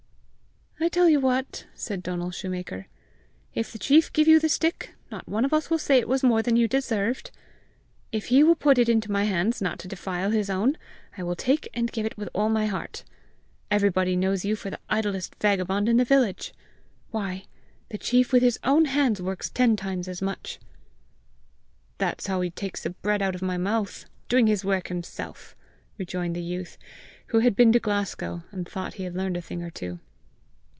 "I tell you what," said Donal shoemaker, "if the chief give you the stick, not one of us will say it was more than you deserved! If he will put it into my hands, not to defile his own, I will take and give it with all my heart. Everybody knows you for the idlest vagabond in the village! Why, the chief with his own hands works ten times as much!" "That's how he takes the bread out of my mouth doing his work himself!" rejoined the youth, who had been to Glasgow, and thought he had learned a thing or two.